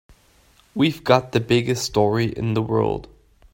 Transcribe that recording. We've got the biggest story in the world.